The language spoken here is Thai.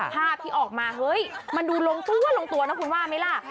ภาพที่ออกมาเฮ้ยมันดูลงตัวลงตัวนะคุณว่าไหมล่ะ